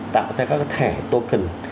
tạo ra các cái thẻ token